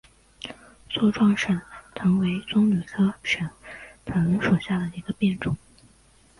粗壮省藤为棕榈科省藤属下的一个变种。